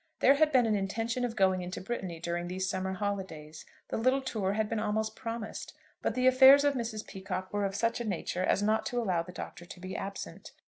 There had been an intention of going into Brittany during these summer holidays. The little tour had been almost promised. But the affairs of Mrs. Peacocke were of such a nature as not to allow the Doctor to be absent.